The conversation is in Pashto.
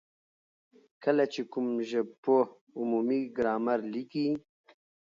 کله چي کوم ژبپوه عمومي ګرامر ليکي،